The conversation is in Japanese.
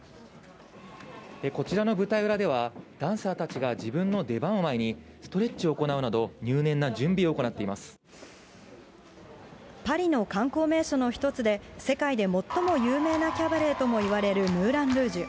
こちらの舞台裏では、ダンサーたちが自分の出番を前に、ストレッチを行うなど、パリの観光名所の一つで、世界で最も有名なキャバレーともいわれるムーランルージュ。